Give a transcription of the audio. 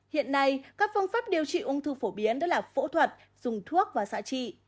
hiện nay các phương pháp điều trị ung thư phổ biến đó là phẫu thuật dùng thuốc và xạ trị